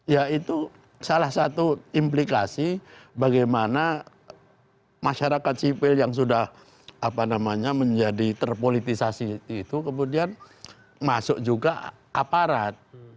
ya itu salah satu implikasi bagaimana masyarakat sipil yang sudah menjadi terpolitisasi itu kemudian masuk juga aparat